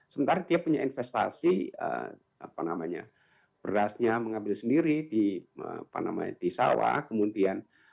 sementara dia punya investasi apa namanya berasnya mengambil sendiri di apa namanya di sawah kemudian